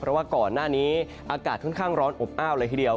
เพราะว่าก่อนหน้านี้อากาศค่อนข้างร้อนอบอ้าวเลยทีเดียว